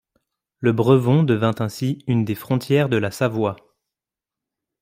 Le Brevon devint ainsi une des frontières de la Savoie.